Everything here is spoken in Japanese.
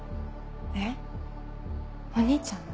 えっお兄ちゃんの？